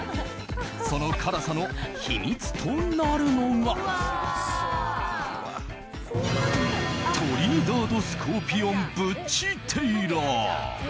その辛さの秘密となるのがトリニダード・スコーピオン・ブッチ・テイラー。